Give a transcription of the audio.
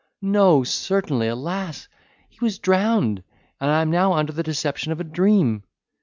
No certainly, alas! he was drowned; and I am now under the deception of a dream!"